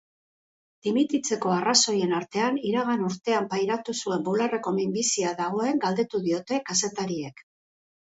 Dimititzeko arrazoien artean iragan urtean pairatu zuen bularreko minbizia dagoen galdetu diote kazetariek.